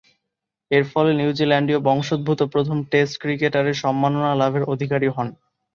এরফলে, নিউজিল্যান্ডীয় বংশোদ্ভূত প্রথম টেস্ট ক্রিকেটারের সম্মাননা লাভের অধিকারী হন।